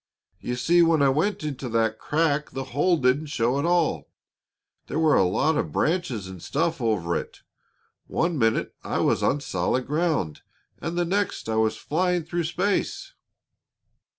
You see, when I went into that crack the hole didn't show at all; there were a lot of branches and stuff over it. One minute I was on solid ground, and the next I was flying through space."